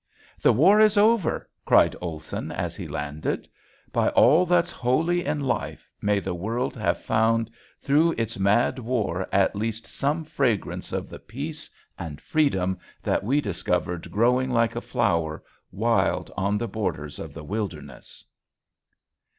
"The war is over," cried Olson as he landed. By all that's holy in life may the world have found through its mad war at least some fragrance of the peace and freedom that we discovered growing like a flower, wild on the borders of the wilderness....